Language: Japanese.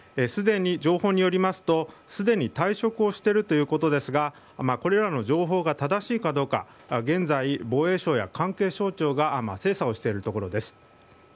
情報によりますとすでに退職をしているということですがこれらの情報が正しいかどうか現在、防衛省や関係省庁が精査をしているところです。